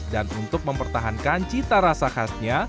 dan untuk mempertahankan cita rasa khasnya